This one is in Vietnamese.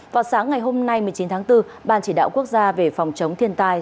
vào sáng ngày hôm nay một mươi chín tháng bốn ban chỉ đạo quốc gia về phòng chống thiên tai